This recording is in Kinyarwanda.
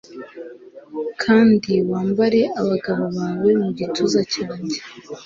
kandi wambare abagabo bawe mu gituza cyanjye